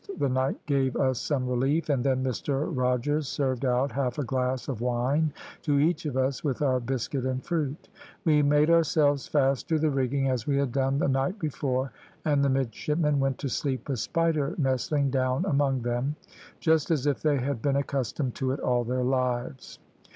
The night gave us some relief, and then Mr Rogers served out half a glass of wine to each of us with our biscuit and fruit. We made ourselves fast to the rigging as we had done the night before, and the midshipmen went to sleep with Spider nestling down among them, just as if they had been accustomed to it all their lives.